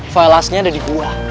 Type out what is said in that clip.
file lastnya ada di gua